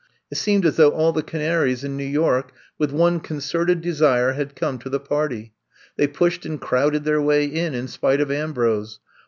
It seemed as though all the canaries in New York, with one con certed desire, had come to the party. They pushed and crowded their way in in spite of Ambrose.